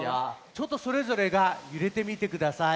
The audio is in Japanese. ちょっとそれぞれがゆれてみてください。